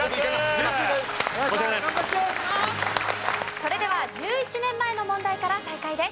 それでは１１年前の問題から再開です。